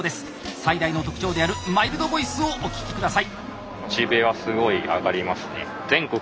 最大の特徴であるマイルドボイスをお聞き下さい。